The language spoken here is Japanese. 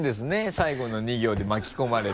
最後の２行で巻き込まれて。